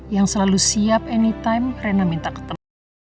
yang selalu siap anytime rena minta ketemu